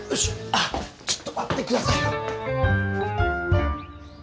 あっちょっと待って下さいよ。